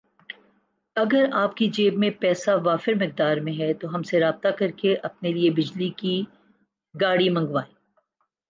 اگر آپ کی جیب میں پیسہ وافر مقدار میں ھے تو ہم سے رابطہ کرکے اپنی لئے بجلی کی گڈی منگوائیں